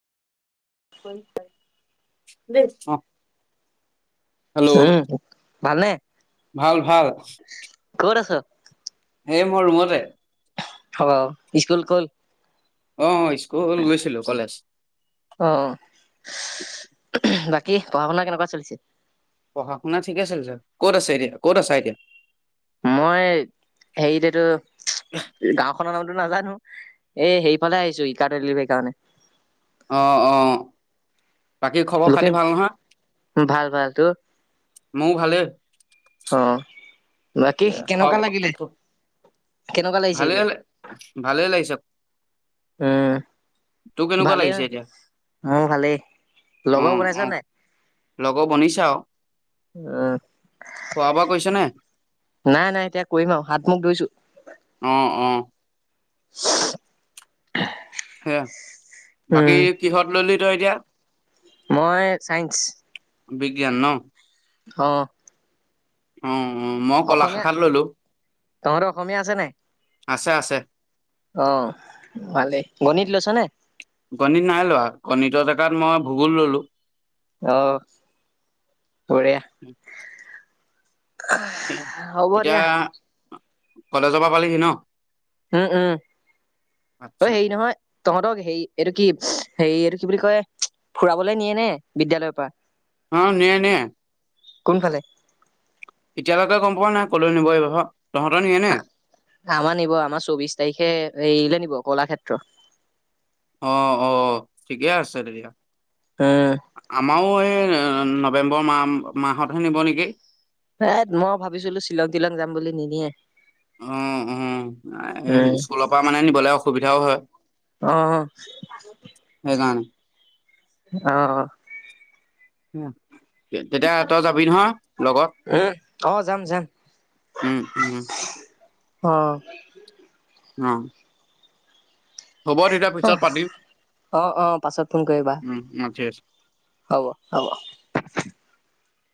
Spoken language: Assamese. হয়। দেই, অহ'। উম'। ভালনে? ভাল, ভাল। ক'ত আছ? এই মই ৰুমতে। অ'হ স্কুল গ'ল? অ' অ' স্কুল গৈছিলোঁ কলেজ। অ', বাকী পঢ়া-শুনা কেনেকুৱা চলিছে? পঢ়া-শুনা ঠিকে চলিছে। ক'ত আছে এতিয়া ক'ত আছা এতিয়া? মই হেৰিত এইটো গাওঁখনৰ নাম নাজানোঁ, এই সেইফালে আহিছো ই-কাৰ্ট ডেলিভাৰীৰ কাৰণে। অ' অ'। বাকী খবৰ খাতি লখিম ভাল নহয়? ভাল ভাল তোৰ? মোৰ ভালেই। অ' বাকী খোৱা কেনেকুৱা লাগিলে, কেনেকুৱা লাগিছে ভালেই এতিয়া? ভালেই লাগিছে তোৰ উম' কেনেকুৱা ভালেই, লাগিছে এতিয়া মোৰ ভালেই। অ লগৰ অ বনাইছা নাই? লগৰ বনিছে আৰু? উম, খোৱা-বোৱা কৰিছ নাই? নাই নাই এতিয়া কৰিম আৰু, হাত মুখ ধুইছোঁ। অ' অ'। [inaudible] হে। বাকী উম, কিহত ল'লি? জ' দিয়া। মই চায়ঞ্চ। বিজ্ঞান ন'? অহ। উম। অসমীয়া, তোমাৰো অসমীয়া আছে নে? আছে, আছে। অ', ভালেই, গণিত লৈছা নে? তাত মই ভূগোল ল'লো। অ', বঢ়িয়া। হ'ব দিয়া। এতিয়া কলেজৰ পৰা পালিহি ন? উম, উম আচ্ছা অ', হেৰি নহয় তহঁতক হেৰি এইটো কি, হেৰি এইটো কি বুলি কয় ফুৰাবলৈ নিয়ে নে বিদ্যালয় পৰা? অ', নিয়ে, নিয়ে। কোনফালে? এতিয়ালৈকে গম পোৱা নাই ক'লৈ নিব এই আমাৰ নিব, আমাৰ চৌবিশ তাৰিখে হেয়িলে নিব কলাক্ষেত্ৰ [unintelligible] অ', অ', ঠিকে আছে তেতিয়া উম আমাৰো এ নৱেম্বৰ মাহ, মাহতহে নিব নেকি? এ, মই ভাবিছিলোঁ শ্বিলং, তিলং যাম বুলি নিনিয়ে। অ', অ', উম ইস্কুলৰ পা মানে নিবলে সুবিধাও হয় অ'। সেইকাৰণে। অ'। [unintelligible] তেতিয়া তই যাবি নহয়, লগত? উম অ যাম যাম উম, উম। অ'। অ'। হ'ব তেতিয়া অ পিছত পাতিম, অ অ পাছত ফোন কৰিবা উম, অ', ঠিক আছে। হ'ব, হ'ব।